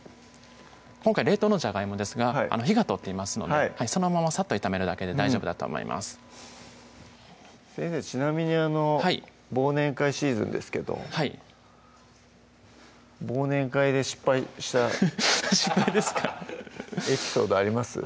今回冷凍のジャガイモですが火が通っていますのでそのままさっと炒めるだけで大丈夫だと思います先生ちなみに忘年会シーズンですけどはい忘年会で失敗したフフッ失敗ですかエピソードあります？